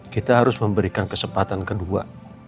kita harus memberikan kesempatan kedua